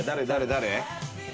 誰？